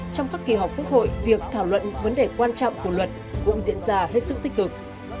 trong các kỳ họp quốc hội việc thảo luận vấn đề quan trọng của luật cũng diễn ra hết sức tích cực